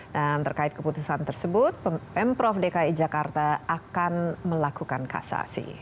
dan terkait keputusan tersebut pemprov dki jakarta akan melakukan kasasi